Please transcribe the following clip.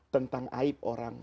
tentang aib orang